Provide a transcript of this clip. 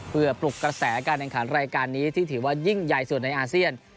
เพื่อปลุกกระแสการแข่งขันรายการนี้ที่ถือว่ายิ่งใหญ่สุดในอาเซียน